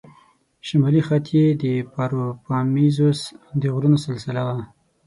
شمالي خط یې د پاروپامیزوس د غرونو سلسله وه.